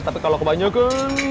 tapi kalau kebanyakan